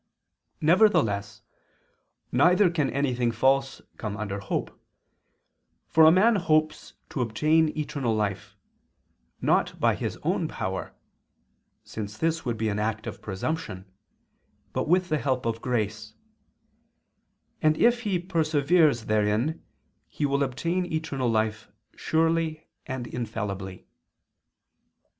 Nevertheless neither can anything false come under hope, for a man hopes to obtain eternal life, not by his own power (since this would be an act of presumption), but with the help of grace; and if he perseveres therein he will obtain eternal life surely and infallibly.